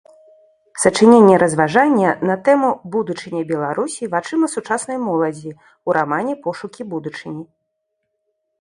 Сачыненне-разважанне на тэму „Будучыня Беларусі вачыма сучаснай моладзі” ў рамане Пошукі будучыні